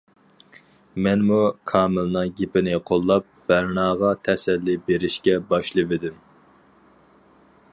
مەنمۇ كامىلنىڭ گېپىنى قوللاپ بەرناغا تەسەللى بېرىشكە باشلىۋىدىم.